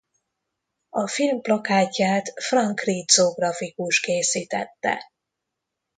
A film plakátját Frank Rizzo grafikus készítette.